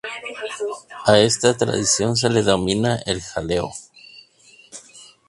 A esta tradición se le denomina el "jaleo".